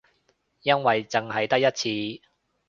因為淨係得一次